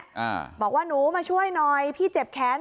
อ่าบอกว่าหนูมาช่วยหน่อยพี่เจ็บแขน